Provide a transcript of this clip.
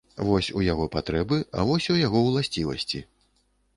Вось у яго патрэбы, а вось у яго ўласцівасці.